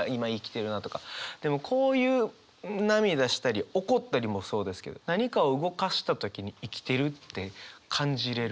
でもこういう涙したり怒ったりもそうですけど何かを動かした時に生きてるって感じれる。